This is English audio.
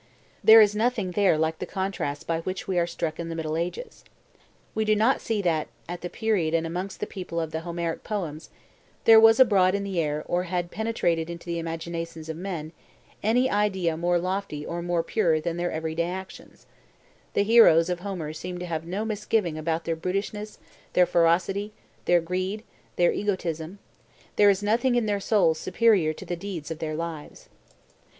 There is nothing there like the contrasts by which we are struck in the middle ages. We do not see that, at the period and amongst the people of the Homeric poems, there was abroad in the air or had penetrated into the imaginations of men any idea more lofty or more pure than their every day actions; the heroes of Homer seem to have no misgiving about their brutishness, their ferocity, their greed, their egotism, there is nothing in their souls superior to the deeds of their lives.